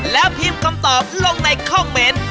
แล้วพิมพ์คำตอบลงในคอมเมนต์